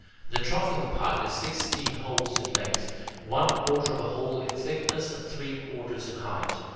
The trough in the pipe is sixteen holes in length, one quarter of a hole in thickness, and three quarters in height.